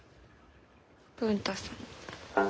文太さんの。